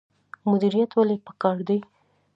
مدیریت ولې پکار دی؟